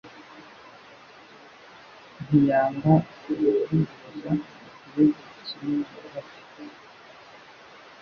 Ntiyanga ubuvuguruza igihugu cyimye nyiracyo